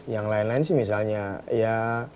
yang lain lain sih misalnya ya